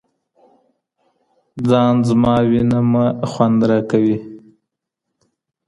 ځان زما وينمه خوند راكوي